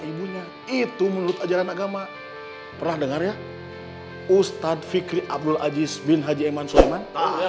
ibunya itu menurut ajaran agama pernah dengar ya ustadz fikri abdul aziz bin haji eman soiman